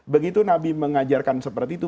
begitu nabi mengajarkan seperti itu